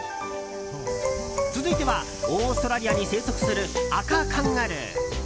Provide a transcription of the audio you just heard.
続いてはオーストラリアに生息するアカカンガルー。